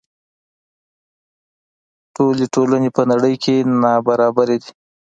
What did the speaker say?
ټولې ټولنې په نړۍ کې نابرابرې دي.